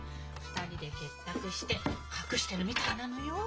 ２人で結託して隠してるみたいなのよ。